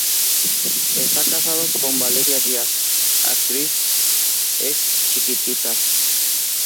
Está casado con Valeria Díaz, actriz ex-"Chiquititas".